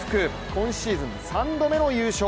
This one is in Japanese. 今シーズン３度目の優勝。